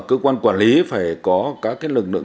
cơ quan quản lý phải có các lực lượng